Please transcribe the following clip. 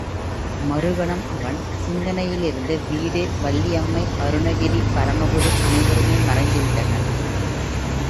மறு கணம் அவன் சிந்தனையிலிருந்து வீடு, வள்ளியம்மை, அருணகிரி, பரமகுரு அனைவருமே மறைந்து விட்டனர்.